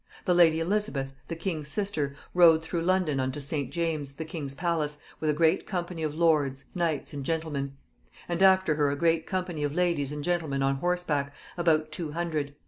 The lady Elizabeth, the king's sister, rode through London unto St. James's, the king's palace, with a great company of lords, knights, and gentlemen; and after her a great company of ladies and gentlemen on horseback, about two hundred.